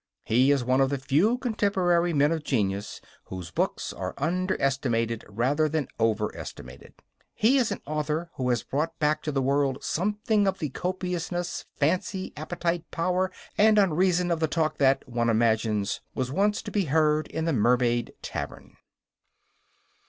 He is one of the few contemporary men of genius whose books are under estimated rather than over estimated. He is an author who has brought back to the world something of the copiousness, fancy, appetite, power, and unreason of the talk that, one imagines, was once to be heard in the Mermaid Tavern.